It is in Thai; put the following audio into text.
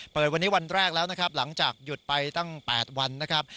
เปิดวันนี้วันแรกแล้วนะครับหลังจากหยุดไปตั้ง๘วันนะครับ